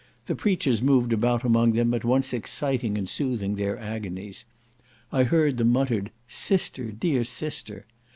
The preachers moved about among them, at once exciting and soothing their agonies. I heard the muttered "Sister! dear sister!"